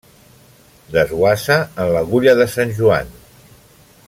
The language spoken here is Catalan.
Desguassa en l'Agulla de Sant Joan.